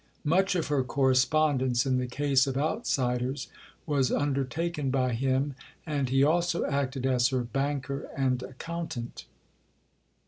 Much of her correspondence, in the case of outsiders, was undertaken by him, and he also acted as her banker and accountant.